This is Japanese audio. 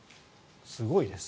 すごいです。